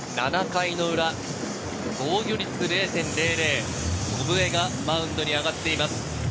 ７回裏、防御率０．００、祖父江がマウンドに上がっています。